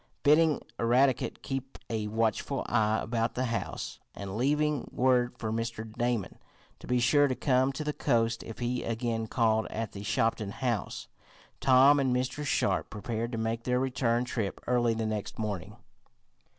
Bidding Eradicate keep a watchful eye about the house, and leaving word for Mr. Damon to be sure to come to the coast if he again called at the Shopton house, Tom and Mr. Sharp prepared to make their return trip early the next morning.